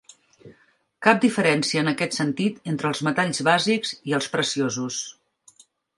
Cap diferència en aquest sentit entre els metalls bàsics i els preciosos.